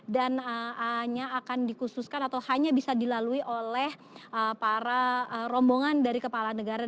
dan hanya akan dikhususkan atau hanya bisa dilalui oleh para rombongan dari kepala negara